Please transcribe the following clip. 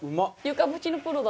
床拭きのプロだ。